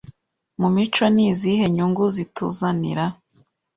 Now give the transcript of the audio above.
mu micoNi izihe nyungu zituzanira